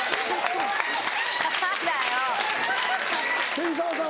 芹澤さん